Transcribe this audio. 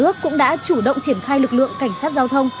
công an cũng đã chủ động triển khai lực lượng cảnh sát giao thông